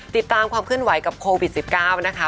ติดตามความเคลื่อนไหวกับโควิด๑๙นะคะ